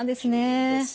そうですね。